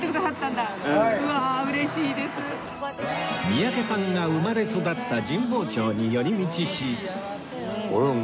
三宅さんが生まれ育った神保町に寄り道し